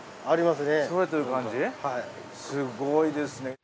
すごいですね。